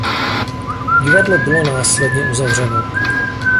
Divadlo bylo následně uzavřeno.